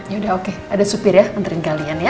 yaudah oke ada supir ya anterin kalian ya